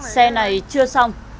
xe này chưa xong